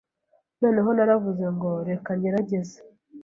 noneho naravuze ngo reka ngerageze,